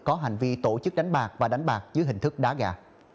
có hành vi tổ chức đánh bạc và đánh bạc dưới hình thức đá gà